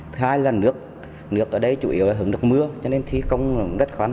thứ hai là nước nước ở đây chủ yếu là hứng được mưa cho nên thi công rất khó khăn